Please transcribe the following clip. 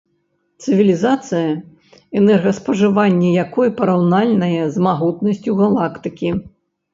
Цывілізацыя, энергаспажыванне якой параўнальнае з магутнасцю галактыкі.